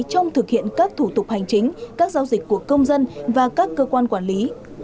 trong thực hiện các thủ tục hành chính các giao dịch của công dân và các cơ quan quản lý